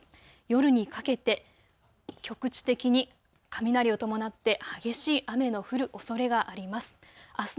夜にかけて局地的に雷を伴って激しい雨の降るおそれがあります。